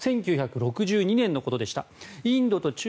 １９６２年のことでした。